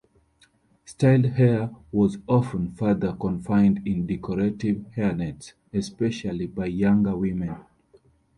Styled hair was often further confined in decorative hairnets, especially by younger women.